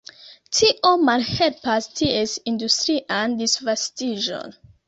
Tio malhelpas ties industrian disvastiĝon.